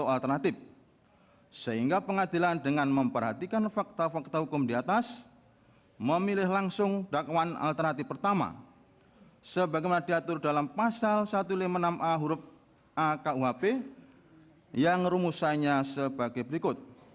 kepulauan seribu kepulauan seribu